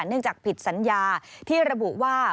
เนื่องจากผิดสัญญาที่ระบุว่า